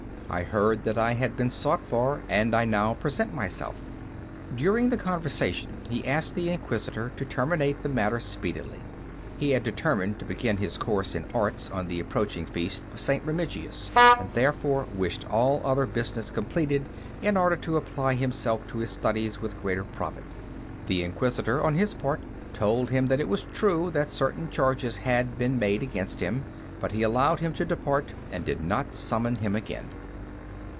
"I heard that I had been sought for, and I now present myself." During the conversation he asked the Inquisitor to terminate the matter speedily. He had determined to begin his course in arts on the approaching feast of St. Remigius, and therefore wished all other business completed in order to apply himself to his studies with greater profit. The Inquisitor on his part told him that it was true that certain charges had been made against him, but he allowed him to depart, and did not summon him again.